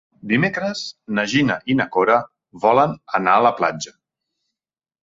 Dimecres na Gina i na Cora volen anar a la platja.